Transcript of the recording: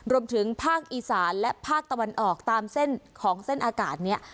รวมถึงภาคอีสานและภาคตะวันออกตามเส้นของเส้นอากาศนี้